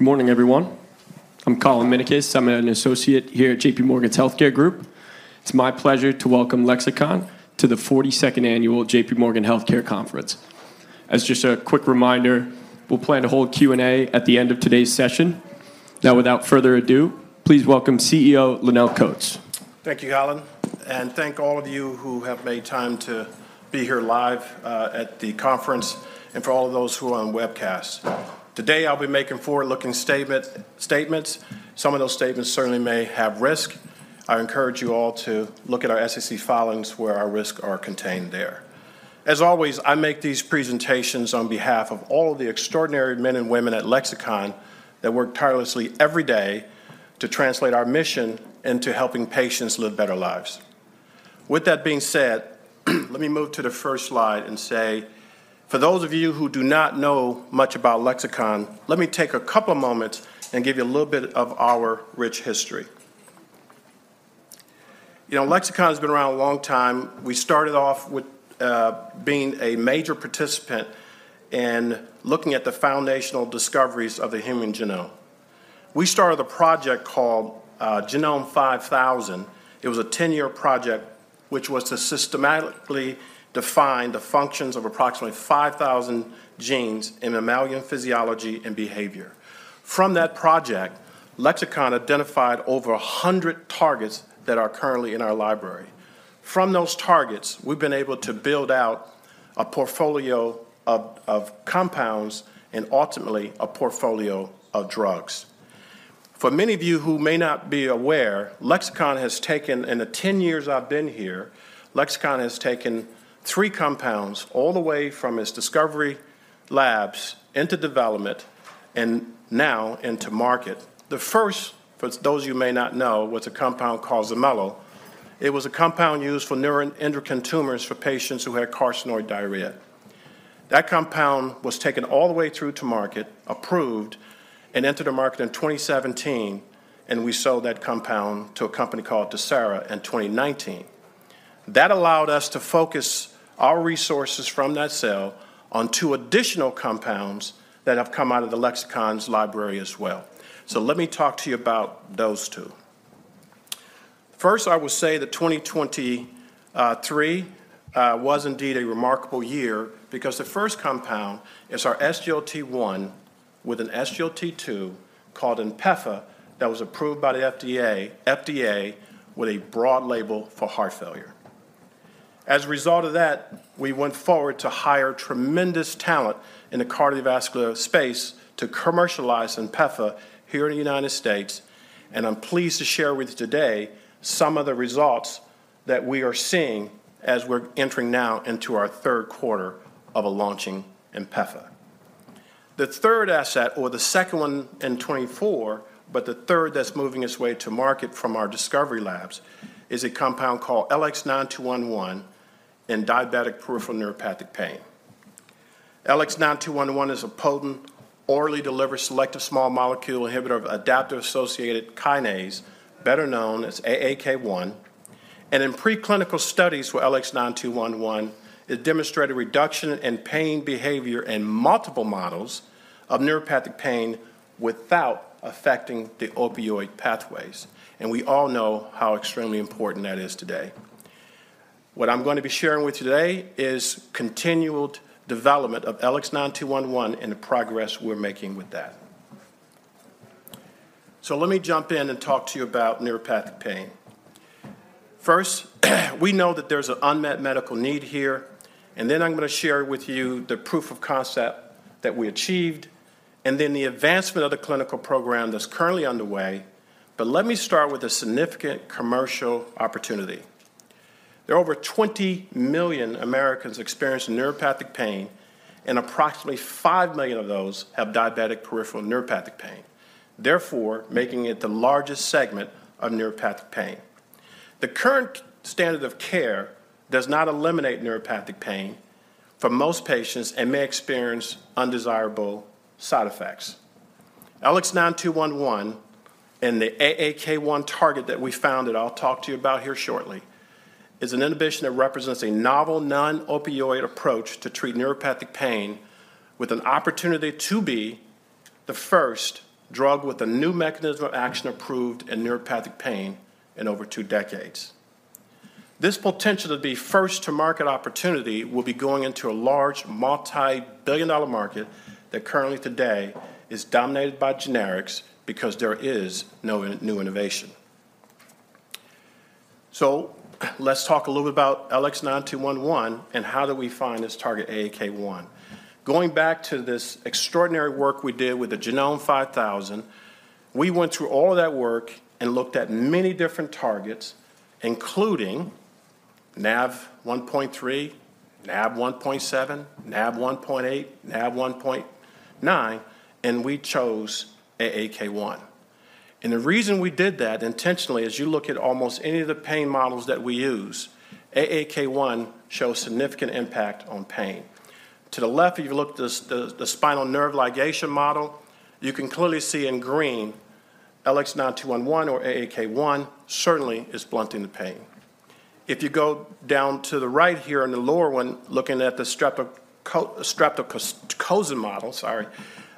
Good morning, everyone. I'm Colin Minicus. I'm an associate here at J.P. Morgan's Healthcare Group. It's my pleasure to welcome Lexicon to the 42nd Annual J.P. Morgan Healthcare Conference. As just a quick reminder, we'll plan to hold Q and A at the end of today's session. Now, without further ado, please welcome CEO Lonnel Coats. Thank you, Colin, and thank all of you who have made time to be here live at the conference, and for all of those who are on webcast. Today, I'll be making forward-looking statement, statements. Some of those statements certainly may have risk. I encourage you all to look at our SEC filings, where our risks are contained there. As always, I make these presentations on behalf of all of the extraordinary men and women at Lexicon that work tirelessly every day to translate our mission into helping patients live better lives. With that being said, let me move to the first slide and say, for those of you who do not know much about Lexicon, let me take a couple moments and give you a little bit of our rich history. You know, Lexicon has been around a long time. We started off with being a major participant in looking at the foundational discoveries of the human genome. We started a project called Genome5000 program. It was a 10-year project, which was to systematically define the functions of approximately 5,000 genes in mammalian physiology and behavior. From that project, Lexicon identified over 100 targets that are currently in our library. From those targets, we've been able to build out a portfolio of compounds and ultimately a portfolio of drugs. For many of you who may not be aware, Lexicon has taken. In the 10 years I've been here, Lexicon has taken three compounds all the way from its discovery labs into development and now into market. The first, for those of you who may not know, was a compound called XERMELO. It was a compound used for neuroendocrine tumors for patients who had carcinoid diarrhea. That compound was taken all the way through to market, approved, and entered the market in 2017, and we sold that compound to a company called TerSera in 2019. That allowed us to focus our resources from that sale on two additional compounds that have come out of the Lexicon's library as well. So let me talk to you about those two. First, I will say that 2023 was indeed a remarkable year because the first compound is our SGLT1 with an SGLT2, called INPEFA, that was approved by the FDA with a broad label for heart failure. As a result of that, we went forward to hire tremendous talent in the cardiovascular space to commercialize INPEFA here in the United States, and I'm pleased to share with you today some of the results that we are seeing as we're entering now into our third quarter of launching INPEFA. The third asset, or the second one in 2024, but the third that's moving its way to market from our discovery labs, is a compound called LX9211 in diabetic peripheral neuropathic pain. LX9211 is a potent, orally delivered, selective small molecule inhibitor of adaptor-associated kinase, better known as AAK1. In preclinical studies for LX9211, it demonstrated reduction in pain behavior in multiple models of neuropathic pain without affecting the opioid pathways, and we all know how extremely important that is today. What I'm going to be sharing with you today is continual development of LX9211 and the progress we're making with that. So let me jump in and talk to you about neuropathic pain. First, we know that there's an unmet medical need here, and then I'm gonna share with you the proof of concept that we achieved, and then the advancement of the clinical program that's currently underway. But let me start with a significant commercial opportunity. There are over 20 million Americans experiencing neuropathic pain, and approximately 5 million of those have diabetic peripheral neuropathic pain, therefore, making it the largest segment of neuropathic pain. The current standard of care does not eliminate neuropathic pain for most patients and may experience undesirable side effects. LX9211 and the AAK1 target that we found, that I'll talk to you about here shortly, is an inhibition that represents a novel, non-opioid approach to treat neuropathic pain, with an opportunity to be the first drug with a new mechanism of action approved in neuropathic pain in over two decades. This potential to be first-to-market opportunity will be going into a large, multi-billion-dollar market that currently today is dominated by generics because there is no new innovation. So let's talk a little bit about LX9211 and how did we find this target, AAK1. Going back to this extraordinary work we did with the Genome5000, we went through all that work and looked at many different targets, including, Nav1.3, Nav1.7, Nav1.8, Nav1.9, and we chose AAK1. The reason we did that intentionally, as you look at almost any of the pain models that we use, AAK1 shows significant impact on pain. To the left, if you look, the spinal nerve ligation model, you can clearly see in green, LX9211 or AAK1 certainly is blunting the pain. If you go down to the right here on the lower one, looking at the streptozotocin model, sorry,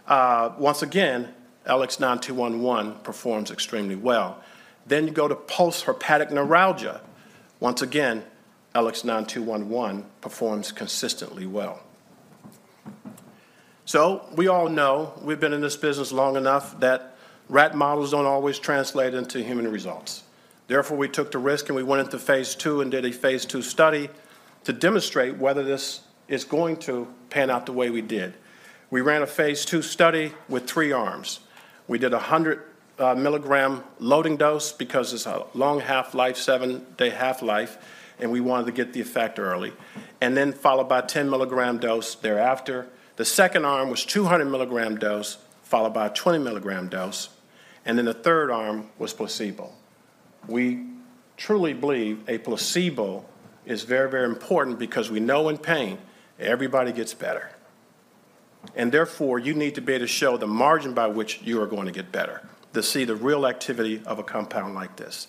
once again, LX9211 performs extremely well. Then you go to post-herpetic neuralgia. Once again, LX9211 performs consistently well. So we all know, we've been in this business long enough, that rat models don't always translate into human results. Therefore, we took the risk, and we went into phase II and did a phase III study to demonstrate whether this is going to pan out the way we did. We ran a phase II study with three arms. We did a 100 mg loading dose because it's a long half-life, seven-day half-life, and we wanted to get the effect early, and then followed by a 10 mg dose thereafter. The second arm was 200 mg dose, followed by a 20 mg dose, and then the third arm was placebo. We truly believe a placebo is very, very important because we know in pain, everybody gets better. And therefore, you need to be able to show the margin by which you are going to get better to see the real activity of a compound like this.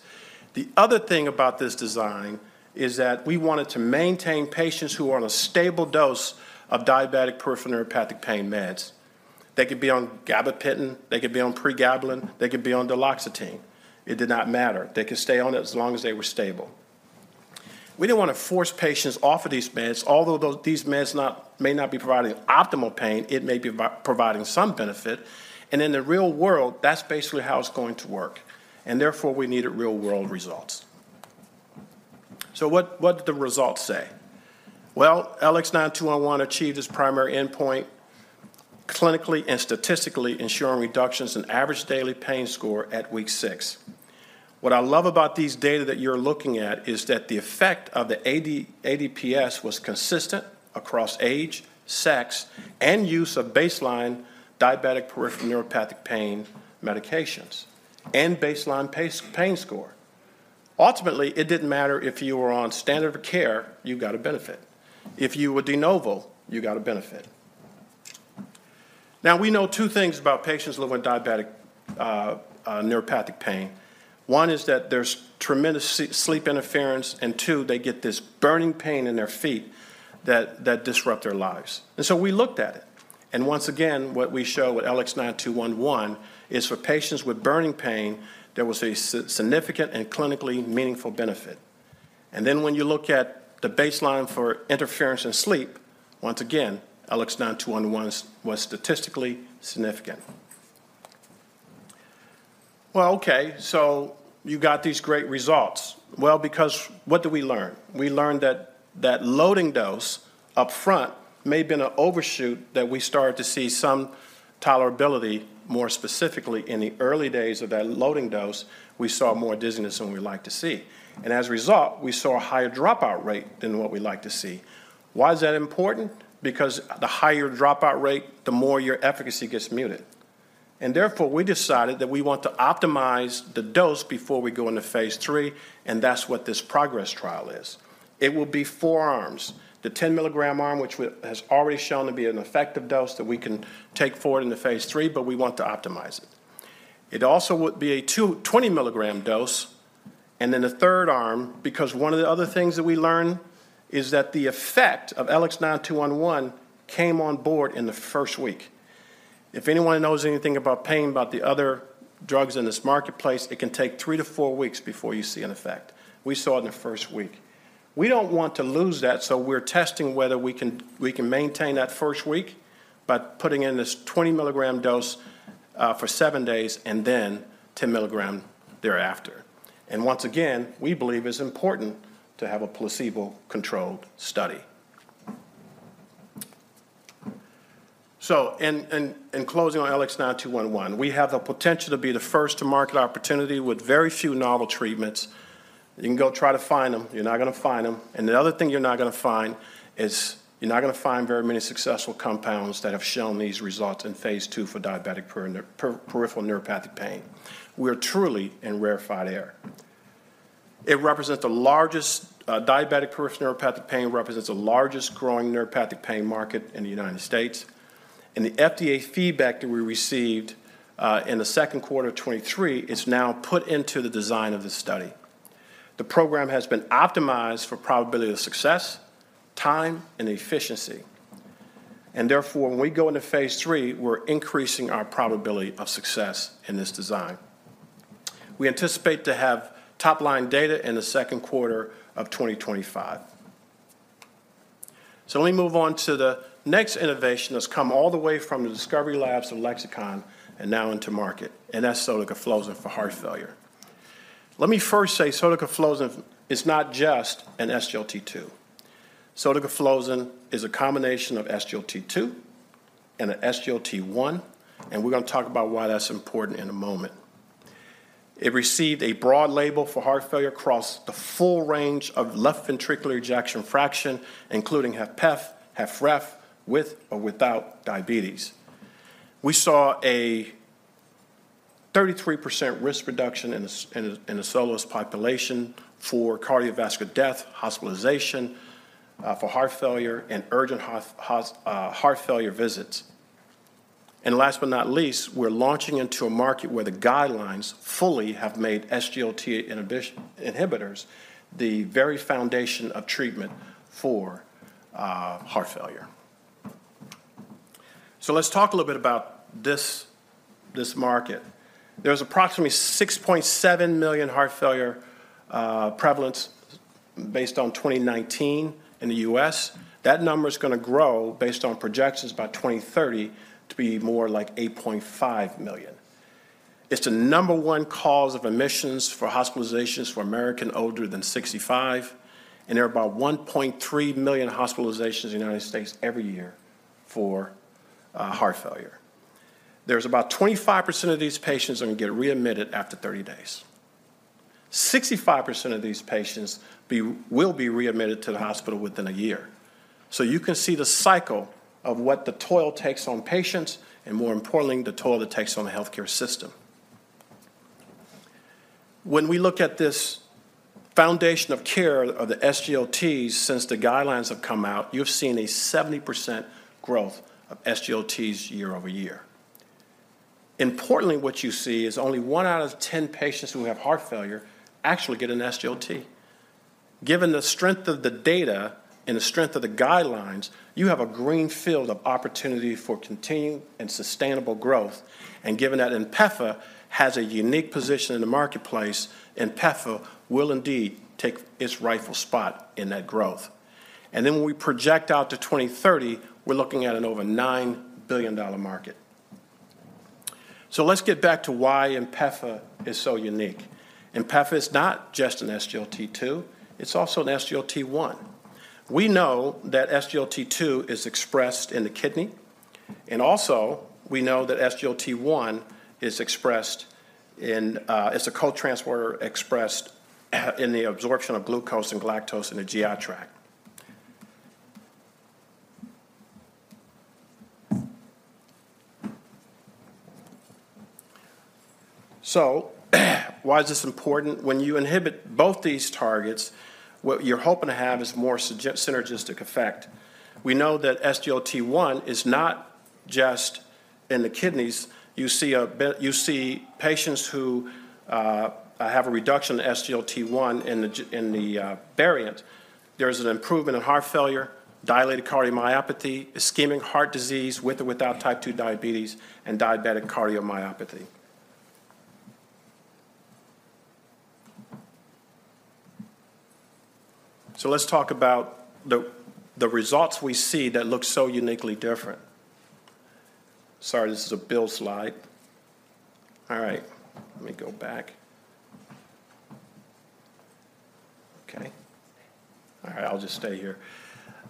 The other thing about this design is that we wanted to maintain patients who are on a stable dose of diabetic peripheral neuropathic pain meds. They could be on gabapentin, they could be on pregabalin, they could be on duloxetine. It did not matter. They could stay on it as long as they were stable. We didn't wanna force patients off of these meds. Although these meds may not be providing optimal pain, it may be providing some benefit, and in the real world, that's basically how it's going to work, and therefore, we needed real-world results. So what did the results say? Well, LX9211 achieved its primary endpoint, clinically and statistically ensuring reductions in average daily pain score at week six. What I love about these data that you're looking at is that the effect of the ADPS was consistent across age, sex, and use of baseline diabetic peripheral neuropathic pain medications and baseline pain score. Ultimately, it didn't matter if you were on standard of care, you got a benefit. If you were de novo, you got a benefit. Now, we know two things about patients living with diabetic neuropathic pain. One is that there's tremendous sleep interference, and two, they get this burning pain in their feet that disrupt their lives. And so we looked at it, and once again, what we show with LX9211 is for patients with burning pain, there was a significant and clinically meaningful benefit. And then, when you look at the baseline for interference in sleep, once again, LX9211 was statistically significant. Well, okay, so you got these great results. Well, because what did we learn? We learned that loading dose upfront may have been an overshoot, that we started to see some tolerability. More specifically, in the early days of that loading dose, we saw more dizziness than we like to see, and as a result, we saw a higher dropout rate than what we like to see. Why is that important? Because the higher dropout rate, the more your efficacy gets muted. Therefore, we decided that we want to optimize the dose before we go into phase III, and that's what this PROGRESS trial is. It will be four arms: the 10-mg arm, which has already shown to be an effective dose that we can take forward into phase III, but we want to optimize it. It also would be a 20 mg dose, and then a third arm, because one of the other things that we learned is that the effect of LX9211 came on board in the first week. If anyone knows anything about pain, about the other drugs in this marketplace, it can take three to four weeks before you see an effect. We saw it in the first week. We don't want to lose that, so we're testing whether we can maintain that first week by putting in this 20 mg dose for seven days and then 10 mg thereafter. And once again, we believe it's important to have a placebo-controlled study. So, in closing on LX9211, we have the potential to be the first-to-market opportunity with very few novel treatments. You can go try to find them. You're not gonna find them, and the other thing you're not gonna find is you're not gonna find very many successful compounds that have shown these results in phase II for diabetic peripheral neuropathic pain. We are truly in rarefied air. It represents the largest, Diabetic peripheral neuropathic pain represents the largest growing neuropathic pain market in the United States, and the FDA feedback that we received in the second quarter of 2023 is now put into the design of the study. The program has been optimized for probability of success, time, and efficiency, and therefore, when we go into phase III, we're increasing our probability of success in this design. We anticipate to have top-line data in the second quarter of 2025. So let me move on to the next innovation that's come all the way from the discovery labs of Lexicon and now into market, and that's sotagliflozin for heart failure. Let me first say sotagliflozin is not just an SGLT2. Sotagliflozin is a combination of SGLT2 and an SGLT1, and we're gonna talk about why that's important in a moment. It received a broad label for heart failure across the full range of left ventricular ejection fraction, including HFrEF, HFpEF, with or without diabetes. We saw a 33% risk reduction in a SOLOIST population for cardiovascular death, hospitalization, for heart failure, and urgent heart failure visits. And last but not least, we're launching into a market where the guidelines fully have made SGLT inhibition, inhibitors, the very foundation of treatment for heart failure. So let's talk a little bit about this, this market. There's approximately 6.7 million heart failure prevalence based on 2019 in the U.S. That number is gonna grow based on projections by 2030 to be more like 8.5 million. It's the number one cause of admissions for hospitalizations for Americans older than 65, and there are about 1.3 million hospitalizations in the United States every year for heart failure. There's about 25% of these patients are gonna get readmitted after 30 days. 65% of these patients will be readmitted to the hospital within a year. So you can see the cycle of what the toll takes on patients, and more importantly, the toll it takes on the healthcare system. When we look at this foundation of care of the SGLTs, since the guidelines have come out, you've seen a 70% growth of SGLTs year-over-year. Importantly, what you see is only one out of 10 patients who have heart failure actually get an SGLT. Given the strength of the data and the strength of the guidelines, you have a green field of opportunity for continued and sustainable growth, and given that INPEFA has a unique position in the marketplace, INPEFA will indeed take its rightful spot in that growth. And then when we project out to 2030, we're looking at an over $9 billion market. So let's get back to why INPEFA is so unique. INPEFA is not just an SGLT2, it's also an SGLT1. We know that SGLT2 is expressed in the kidney, and also, we know that SGLT1 is expressed in. It's a co-transporter expressed, in the absorption of glucose and galactose in the GI tract. So, why is this important? When you inhibit both these targets, what you're hoping to have is more synergistic effect. We know that SGLT1 is not just in the kidneys. You see patients who have a reduction in SGLT1 in the variant. There's an improvement in heart failure, dilated cardiomyopathy, ischemic heart disease with or without type 2 diabetes, and diabetic cardiomyopathy. So let's talk about the results we see that look so uniquely different. Sorry, this is a Bill slide. All right, let me go back. Okay. All right, I'll just stay here.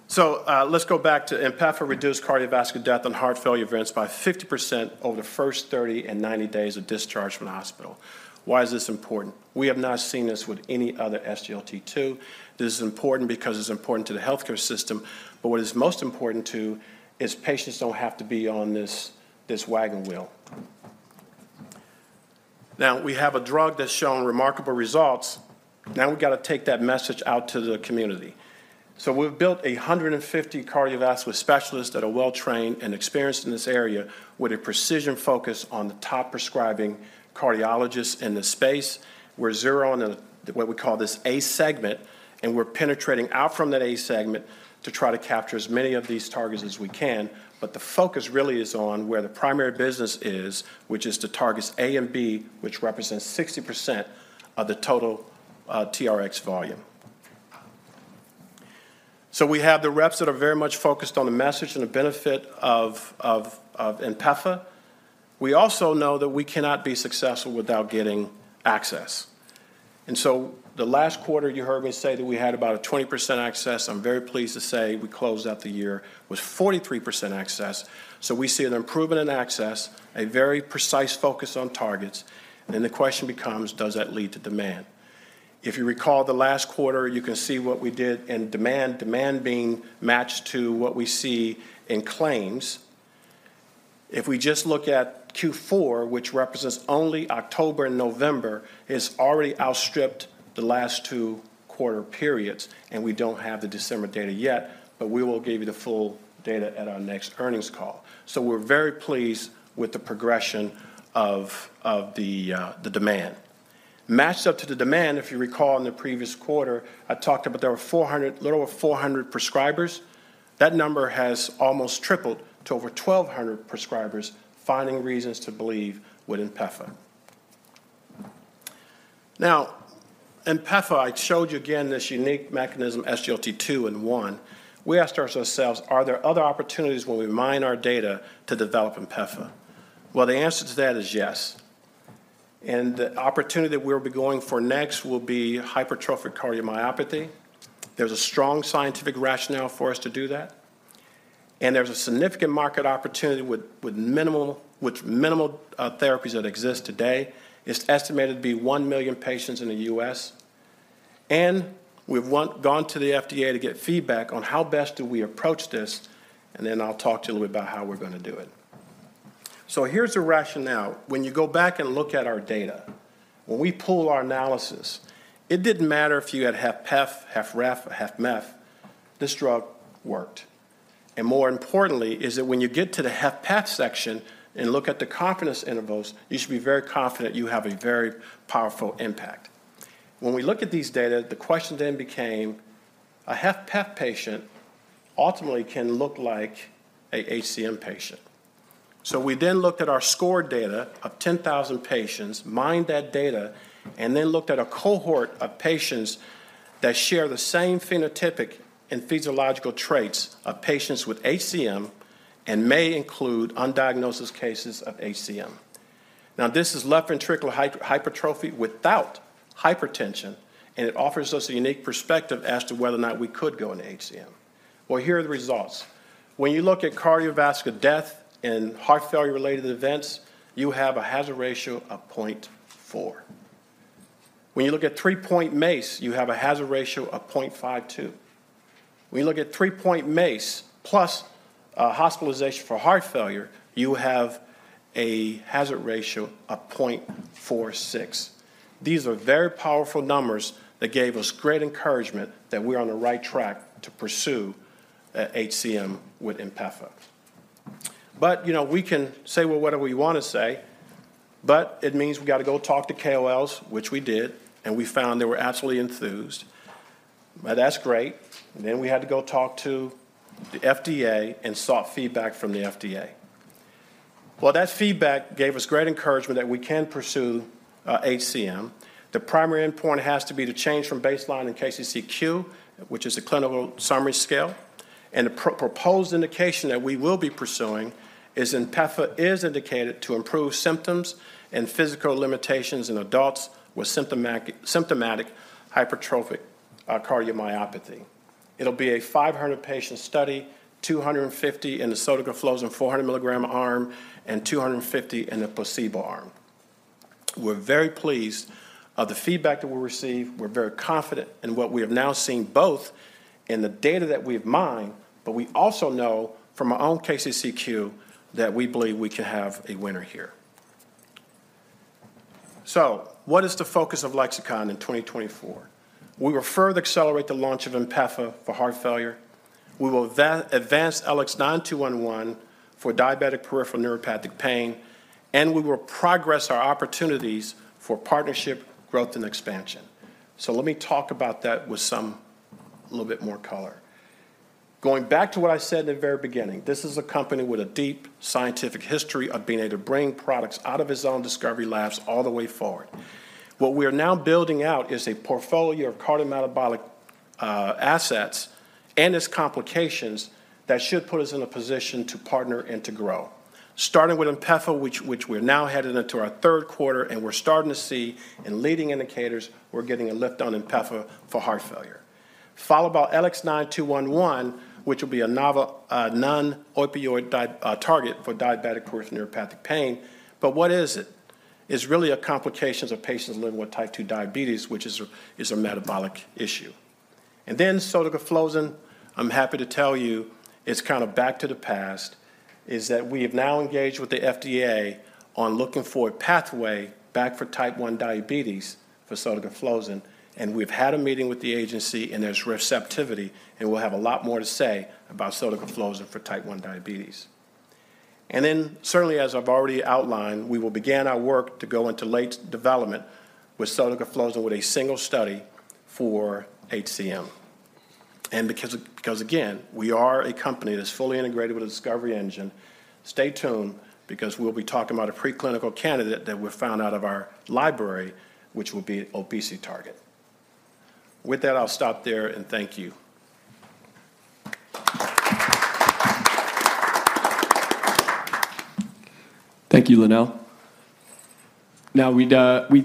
So let's go back to INPEFA reduced cardiovascular death and heart failure events by 50% over the first 30 and 90 days of discharge from the hospital. Why is this important? We have not seen this with any other SGLT2. This is important because it's important to the healthcare system, but what is most important, too, is patients don't have to be on this wagon wheel. Now, we have a drug that's shown remarkable results. Now, we've got to take that message out to the community. So we've built 150 cardiovascular specialists that are well-trained and experienced in this area with a precision focus on the top prescribing cardiologists in the space. We're zeroing in on the, what we call this, A segment, and we're penetrating out from that A segment to try to capture as many of these targets as we can. But the focus really is on where the primary business is, which is the targets A and B, which represents 60% of the total TRX volume. So we have the reps that are very much focused on the message and the benefit of INPEFA. We also know that we cannot be successful without getting access. And so the last quarter, you heard me say that we had about a 20% access. I'm very pleased to say we closed out the year with 43% access. So we see an improvement in access, a very precise focus on targets, and the question becomes: Does that lead to demand? If you recall the last quarter, you can see what we did in demand, demand being matched to what we see in claims. If we just look at Q4, which represents only October and November, it's already outstripped the last two quarter periods, and we don't have the December data yet, but we will give you the full data at our next earnings call. So we're very pleased with the progression of the demand. Matched up to the demand, if you recall in the previous quarter, I talked about there were 400, a little over 400 prescribers. That number has almost tripled to over 1,200 prescribers finding reasons to believe with INPEFA. Now, INPEFA, I showed you again this unique mechanism, SGLT2 and SGLT1. We asked ourselves, are there other opportunities when we mine our data to develop INPEFA? Well, the answer to that is yes, and the opportunity that we'll be going for next will be hypertrophic cardiomyopathy. There's a strong scientific rationale for us to do that, and there's a significant market opportunity with minimal therapies that exist today. It's estimated to be 1 million patients in the U.S., and we've gone to the FDA to get feedback on how best do we approach this, and then I'll talk to you a little bit about how we're gonna do it. So here's the rationale. When you go back and look at our data, when we pull our analysis, it didn't matter if you had HFrEF, HFpEF, HFmrEF.... this drug worked. And more importantly, is that when you get to the HFpEF section and look at the confidence intervals, you should be very confident you have a very powerful impact. When we look at these data, the question then became, a HFpEF patient ultimately can look like a HCM patient. So we then looked at our SCORED data of 10,000 patients, mined that data, and then looked at a cohort of patients that share the same phenotypic and physiological traits of patients with HCM and may include undiagnosed cases of HCM. Now, this is left ventricular hypertrophy without hypertension, and it offers us a unique perspective as to whether or not we could go into HCM. Well, here are the results. When you look at cardiovascular death and heart failure-related events, you have a hazard ratio of 0.4. When you look at 3-point MACE, you have a hazard ratio of 0.52. When you look at 3-point MACE plus hospitalization for heart failure, you have a hazard ratio of 0.46. These are very powerful numbers that gave us great encouragement that we're on the right track to pursue HCM with INPEFA. But, you know, we can say, well, whatever we wanna say, but it means we gotta go talk to KOLs, which we did, and we found they were absolutely enthused. Well, that's great. And then we had to go talk to the FDA and sought feedback from the FDA. Well, that feedback gave us great encouragement that we can pursue HCM. The primary endpoint has to be the change from baseline in KCCQ, which is a clinical summary scale. And the proposed indication that we will be pursuing is INPEFA is indicated to improve symptoms and physical limitations in adults with symptomatic hypertrophic cardiomyopathy. It'll be a 500-patient study, 250 in the sotagliflozin 400 mg arm and 250 in the placebo arm. We're very pleased of the feedback that we received. We're very confident in what we have now seen, both in the data that we've mined, but we also know from our own KCCQ that we believe we can have a winner here. So what is the focus of Lexicon in 2024? We will further accelerate the launch of INPEFA for heart failure. We will advance LX9211 for diabetic peripheral neuropathic pain, and we will progress our opportunities for partnership, growth, and expansion. So let me talk about that with some... a little bit more color. Going back to what I said in the very beginning, this is a company with a deep scientific history of being able to bring products out of its own discovery labs all the way forward. What we are now building out is a portfolio of cardiometabolic, assets and its complications that should put us in a position to partner and to grow. Starting with INPEFA, which we're now headed into our third quarter, and we're starting to see in leading indicators, we're getting a lift on INPEFA for heart failure. Followed by LX9211, which will be a novel, non-opioid target for diabetic peripheral neuropathic pain. But what is it? It's really a complications of patients living with type 2 diabetes, which is a metabolic issue. And then sotagliflozin, I'm happy to tell you, it's kind of back to the past, is that we have now engaged with the FDA on looking for a pathway back for type 1 diabetes for sotagliflozin, and we've had a meeting with the agency, and there's receptivity, and we'll have a lot more to say about sotagliflozin for type 1 diabetes. And then, certainly, as I've already outlined, we will begin our work to go into late development with sotagliflozin with a single study for HCM. And because, again, we are a company that's fully integrated with a discovery engine, stay tuned because we'll be talking about a preclinical candidate that we found out of our library, which will be an obesity target. With that, I'll stop there, and thank you. Thank you, Lonnel. Now, we'd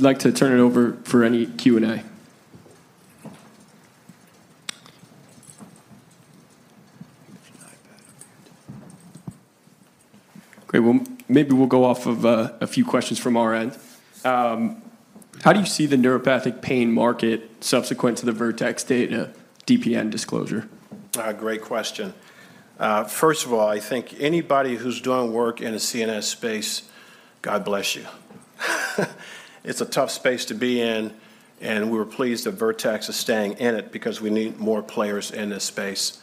like to turn it over for any Q and A. Okay, well, maybe we'll go off of a few questions from our end. How do you see the neuropathic pain market subsequent to the Vertex data DPN disclosure? Great question. First of all, I think anybody who's doing work in a CNS space, God bless you. It's a tough space to be in, and we're pleased that Vertex is staying in it because we need more players in this space.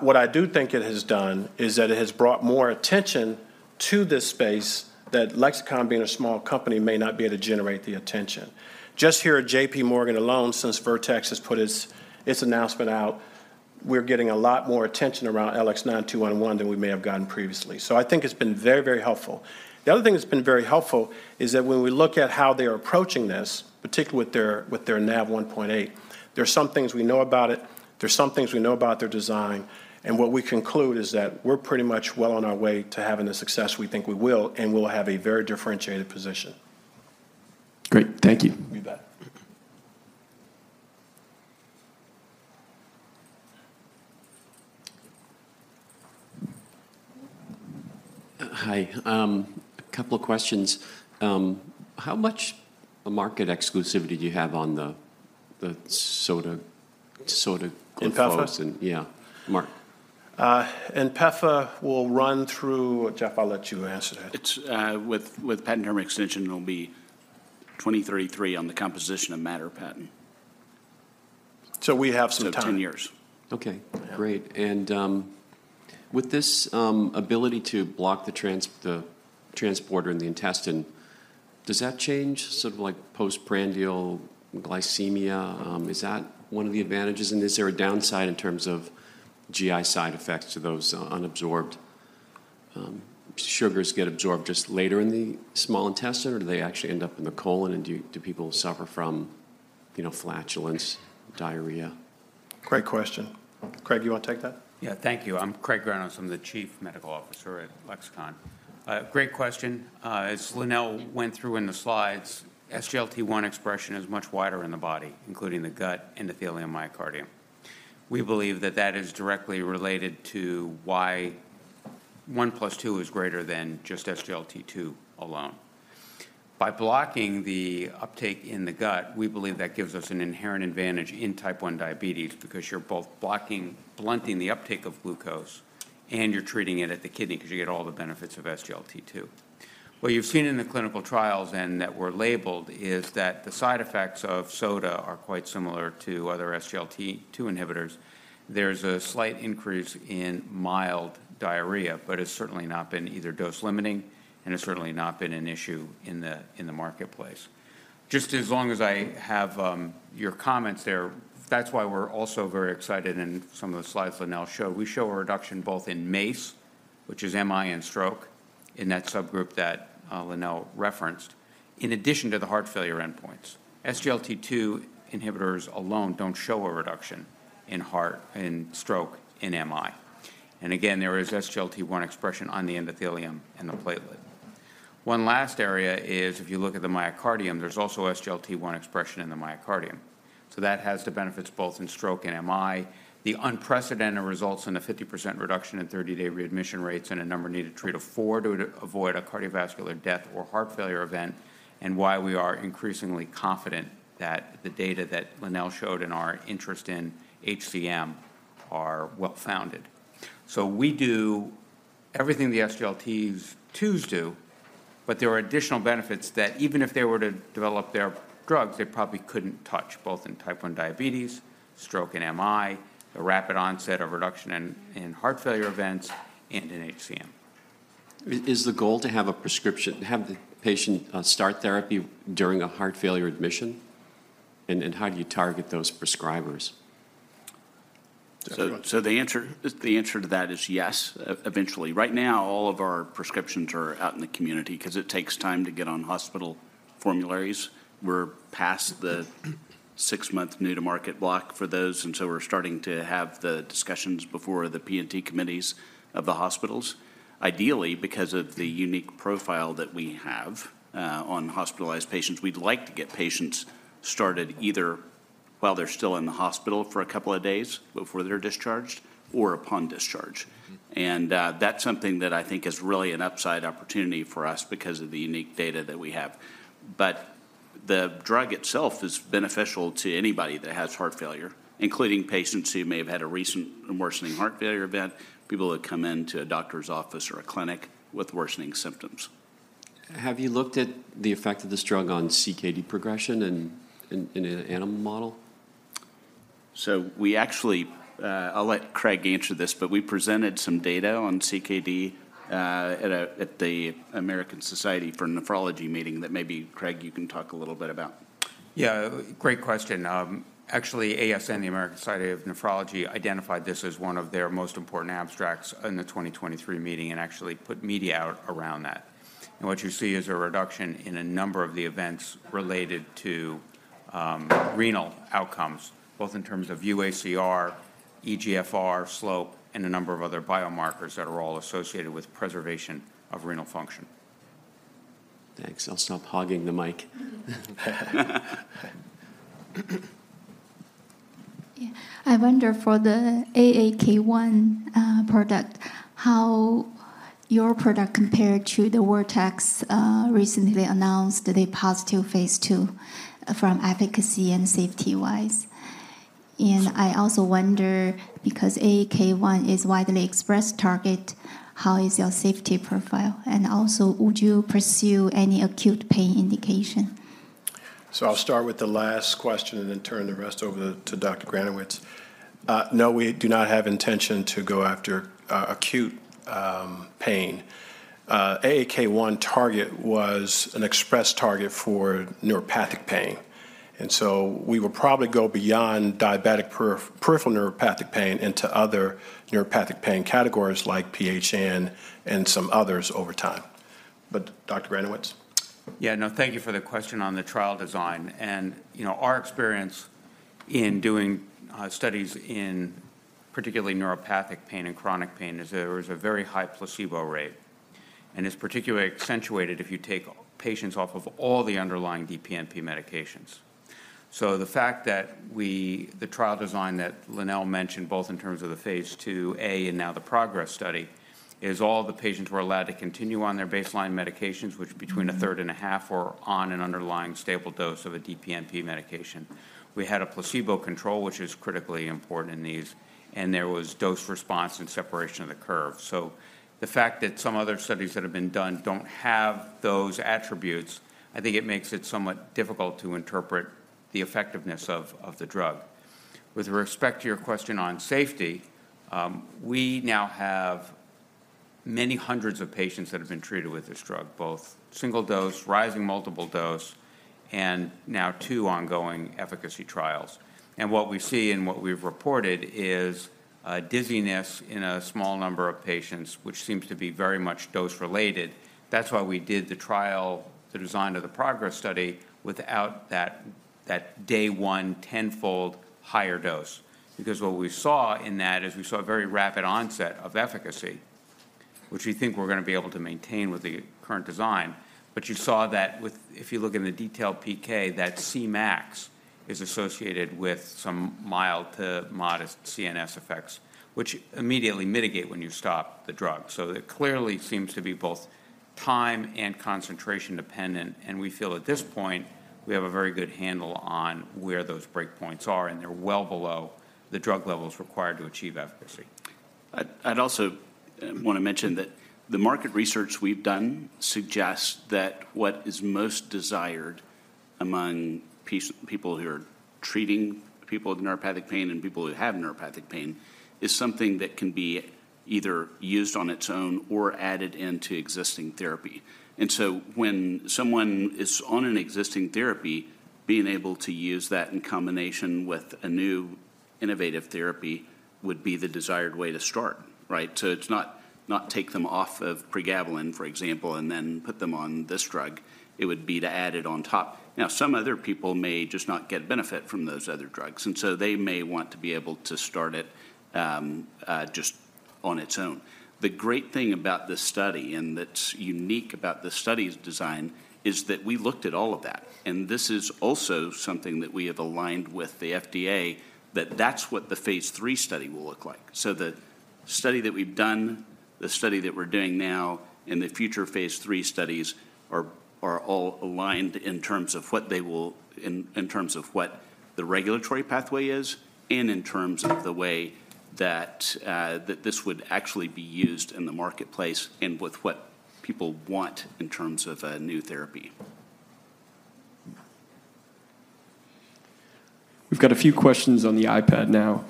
What I do think it has done is that it has brought more attention to this space that Lexicon, being a small company, may not be able to generate the attention. Just here at J.P. Morgan alone, since Vertex has put its, its announcement out, we're getting a lot more attention around LX9211 than we may have gotten previously. So I think it's been very, very helpful. The other thing that's been very helpful is that when we look at how they are approaching this, particularly with their, with their Nav1.8, there are some things we know about it, there are some things we know about their design, and what we conclude is that we're pretty much well on our way to having the success we think we will, and we'll have a very differentiated position. Great. Thank you. You bet. Hi, a couple of questions. How much market exclusivity do you have on the sotagliflozin? INPEFA? Yeah. Mark. INPEFA will run through... Jeff, I'll let you answer that. It's with patent term extension, it'll be 2033 on the composition of matter patent. We have some time. 10 years. Okay, great. And with this ability to block the transporter in the intestine, does that change sort of like postprandial glycemia? Is that one of the advantages, and is there a downside in terms of GI side effects to those unabsorbed sugars get absorbed just later in the small intestine, or do they actually end up in the colon, and do people suffer from, you know, flatulence, diarrhea? Great question. Craig, you wanna take that? Yeah, thank you. I'm Craig Granowitz. I'm the Chief Medical Officer at Lexicon. Great question. As Lonnel went through in the slides, SGLT1 expression is much wider in the body, including the gut, endothelium, myocardium. We believe that that is directly related to why one plus two is greater than just SGLT2 alone. By blocking the uptake in the gut, we believe that gives us an inherent advantage in type 1 diabetes because you're both blocking, blunting the uptake of glucose, and you're treating it at the kidney 'cause you get all the benefits of SGLT2. What you've seen in the clinical trials and that were labeled, is that the side effects of Sota are quite similar to other SGLT2 inhibitors. There's a slight increase in mild diarrhea, but it's certainly not been either dose-limiting, and it's certainly not been an issue in the marketplace. Just as long as I have your comments there, that's why we're also very excited in some of the slides Lonnel showed. We show a reduction both in MACE, which is MI and stroke, in that subgroup that Lonnel referenced, in addition to the heart failure endpoints. SGLT2 inhibitors alone don't show a reduction in heart, in stroke, in MI. And again, there is SGLT1 expression on the endothelium and the platelet. One last area is, if you look at the myocardium, there's also SGLT1 expression in the myocardium, so that has the benefits both in stroke and MI. The unprecedented results in a 50% reduction in 30-day readmission rates and a number needed to treat of four to avoid a cardiovascular death or heart failure event, and why we are increasingly confident that the data that Lonnel showed and our interest in HCM are well-founded. So we do everything the SGLT2s do, but there are additional benefits that even if they were to develop their drugs, they probably couldn't touch, both in type 1 diabetes, stroke and MI, the rapid onset of reduction in heart failure events, and in HCM. Is the goal to have a prescription, have the patient start therapy during a heart failure admission? And how do you target those prescribers? So the answer to that is yes, eventually. Right now, all of our prescriptions are out in the community 'cause it takes time to get on hospital formularies. We're past the six-month new-to-market block for those, and so we're starting to have the discussions before the P&T committees of the hospitals. Ideally, because of the unique profile that we have on hospitalized patients, we'd like to get patients started either while they're still in the hospital for a couple of days before they're discharged or upon discharge. Mm-hmm. That's something that I think is really an upside opportunity for us because of the unique data that we have. The drug itself is beneficial to anybody that has heart failure, including patients who may have had a recent worsening heart failure event, people that come in to a doctor's office or a clinic with worsening symptoms. Have you looked at the effect of this drug on CKD progression in an animal model? So we actually, I'll let Craig answer this, but we presented some data on CKD at the American Society for Nephrology meeting that maybe, Craig, you can talk a little bit about. Yeah, great question. Actually, ASN, the American Society of Nephrology, identified this as one of their most important abstracts in the 2023 meeting and actually put media out around that. What you see is a reduction in a number of the events related to renal outcomes, both in terms of UACR, eGFR, slope, and a number of other biomarkers that are all associated with preservation of renal function. Thanks. I'll stop hogging the mic. Yeah. I wonder, for the AAK1 product, how your product compared to the Vertex recently announced the positive phase II from efficacy and safety-wise. And I also wonder, because AAK1 is widely expressed target, how is your safety profile? And also, would you pursue any acute pain indication? So I'll start with the last question and then turn the rest over to Dr. Granowitz. No, we do not have intention to go after acute pain. AAK1 target was an express target for neuropathic pain, and so we will probably go beyond diabetic peripheral neuropathic pain into other neuropathic pain categories like PHN and some others over time. But Dr. Granowitz? Yeah, no, thank you for the question on the trial design. And, you know, our experience in doing studies in particularly neuropathic pain and chronic pain is there is a very high placebo rate, and it's particularly accentuated if you take patients off of all the underlying DPNP medications. So the fact that the trial design that Lonnel mentioned, both in terms of the phase II-A and now the PROGRESS study, is all the patients were allowed to continue on their baseline medications, which between a third and a half were on an underlying stable dose of a DPNP medication. We had a placebo control, which is critically important in these, and there was dose response and separation of the curve. So the fact that some other studies that have been done don't have those attributes, I think it makes it somewhat difficult to interpret the effectiveness of the drug. With respect to your question on safety, we now have many hundreds of patients that have been treated with this drug, both single dose, rising multiple dose, and now two ongoing efficacy trials. And what we see and what we've reported is dizziness in a small number of patients, which seems to be very much dose-related. That's why we did the trial, the design of the PROGRESS study, without that day one tenfold higher dose. Because what we saw in that is we saw a very rapid onset of efficacy, which we think we're gonna be able to maintain with the current design. But you saw that if you look in the detailed PK, that Cmax is associated with some mild to modest CNS effects, which immediately mitigate when you stop the drug. So it clearly seems to be both time and concentration dependent, and we feel at this point, we have a very good handle on where those breakpoints are, and they're well below the drug levels required to achieve efficacy. I'd also wanna mention that the market research we've done suggests that what is most desired among people who are treating people with neuropathic pain and people who have neuropathic pain is something that can be either used on its own or added into existing therapy. And so when someone is on an existing therapy, being able to use that in combination with a new innovative therapy would be the desired way to start, right? So it's not take them off of pregabalin, for example, and then put them on this drug. It would be to add it on top. Now, some other people may just not get benefit from those other drugs, and so they may want to be able to start it just on its own. The great thing about this study, and that's unique about this study's design, is that we looked at all of that, and this is also something that we have aligned with the FDA, that that's what the phase III study will look like. So the study that we've done, the study that we're doing now, and the future phase III studies are all aligned in terms of what they will... in terms of what the regulatory pathway is, and in terms of the way that that this would actually be used in the marketplace and with what people want in terms of a new therapy. We've got a few questions on the iPad now.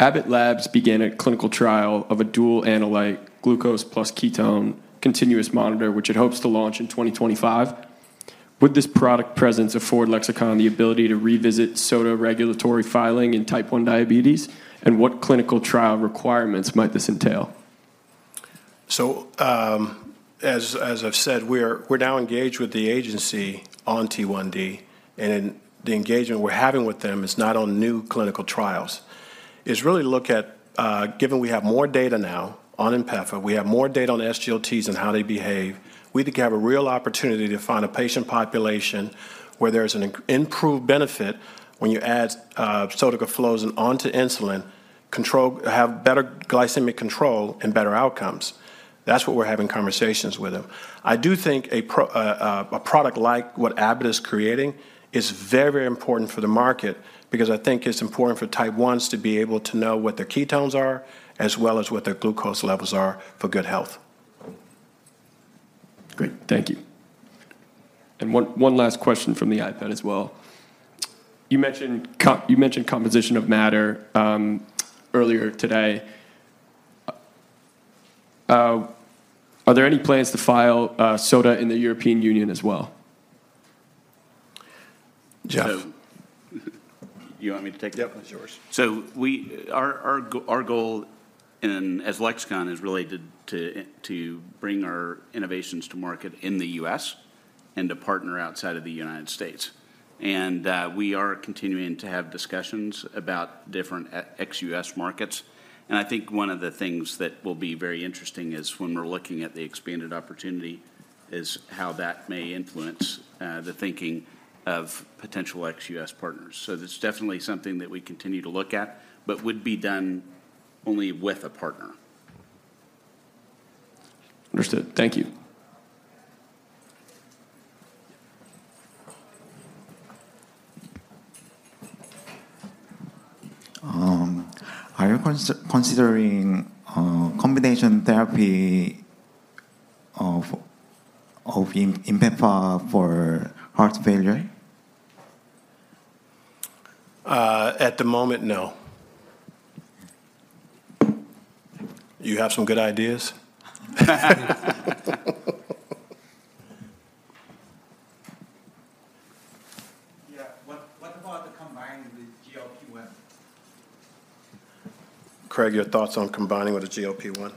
Abbott Labs began a clinical trial of a dual analyte, glucose plus ketone, continuous monitor, which it hopes to launch in 2025. Would this product presence afford Lexicon the ability to revisit Sota regulatory filing in Type 1 diabetes, and what clinical trial requirements might this entail? So, as I've said, we're now engaged with the agency on T1D, and the engagement we're having with them is not on new clinical trials. It's really look at, given we have more data now on INPEFA, we have more data on SGLTs and how they behave, we think we have a real opportunity to find a patient population where there's an improved benefit when you add sotagliflozin onto insulin, control have better glycemic control and better outcomes. That's what we're having conversations with them. I do think a product like what Abbott is creating is very, very important for the market because I think it's important for Type 1s to be able to know what their ketones are, as well as what their glucose levels are for good health. Great. Thank you. One last question from the iPad as well. You mentioned composition of matter earlier today. Are there any plans to file Sota in the European Union as well? Jeff? So you want me to take that? Yep, it's yours. Our goal in, as Lexicon, is really to bring our innovations to market in the U.S. and to partner outside of the United States. And we are continuing to have discussions about different ex-U.S. markets. And I think one of the things that will be very interesting is when we're looking at the expanded opportunity, is how that may influence the thinking of potential ex-U.S. partners. So that's definitely something that we continue to look at, but would be done only with a partner. Understood. Thank you. Are you considering combination therapy of INPEFA for heart failure? At the moment, no. You have some good ideas? Yeah. What about the combining the GLP-1? Craig, your thoughts on combining with a GLP-1?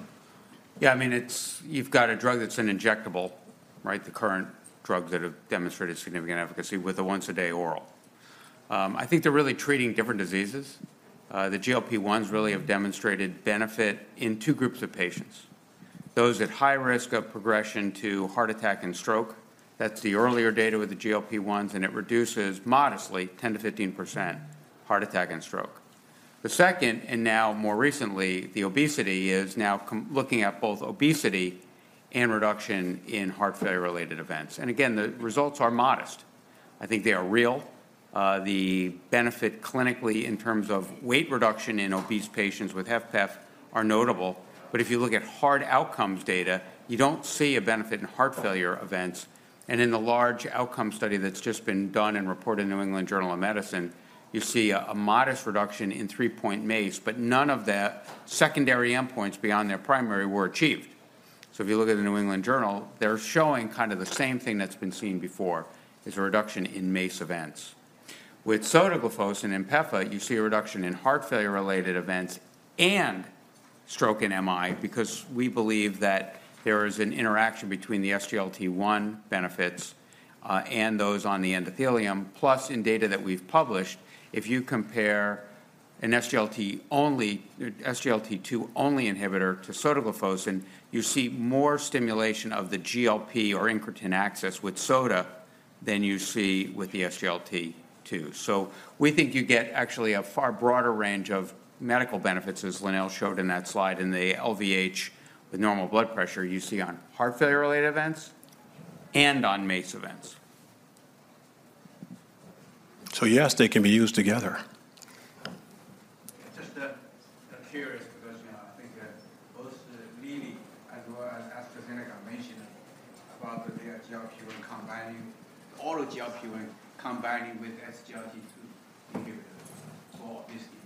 Yeah, I mean, it's... You've got a drug that's an injectable, right? The current drugs that have demonstrated significant efficacy with a once-a-day oral. I think they're really treating different diseases. The GLP-1s really have demonstrated benefit in two groups of patients: Those at high risk of progression to heart attack and stroke. That's the earlier data with the GLP-1s, and it reduces modestly, 10%-15%, heart attack and stroke. The second, and now more recently, the obesity, is now looking at both obesity and reduction in heart failure-related events. And again, the results are modest.... I think they are real. The benefit clinically in terms of weight reduction in obese patients with HFpEF are notable, but if you look at hard outcomes data, you don't see a benefit in heart failure events. And in the large outcome study that's just been done and reported in New England Journal of Medicine, you see a modest reduction in three-point MACE, but none of the secondary endpoints beyond their primary were achieved. So if you look at the New England Journal, they're showing kind of the same thing that's been seen before, is a reduction in MACE events. With sotagliflozin in INPEFA, you see a reduction in heart failure-related events and stroke and MI, because we believe that there is an interaction between the SGLT1 benefits and those on the endothelium. Plus, in data that we've published, if you compare an SGLT only- SGLT2 only inhibitor to sotagliflozin, you see more stimulation of the GLP or incretin axis with Sota than you see with the SGLT2. So we think you get actually a far broader range of medical benefits, as Lonnel showed in that slide, in the LVH with normal blood pressure you see on heart failure-related events and on MACE events. Yes, they can be used together. Just a curious question. I think that both Lilly, as well as AstraZeneca, mentioned about the GLP1 combining, all the GLP1 combining with SGLT2 inhibitor. So obviously-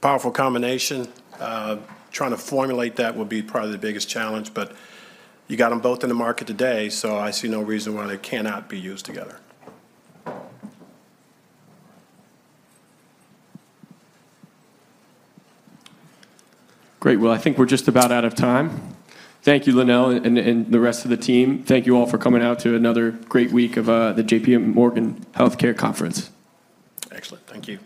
Powerful combination. Trying to formulate that would be probably the biggest challenge, but you got them both in the market today, so I see no reason why they cannot be used together. Great. Well, I think we're just about out of time. Thank you, Lonelle, and the rest of the team. Thank you all for coming out to another great week of the J.P. Morgan Healthcare Conference. Excellent. Thank you.